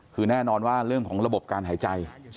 คือแน่นอนว่าเรื่องของระบบการหายใจ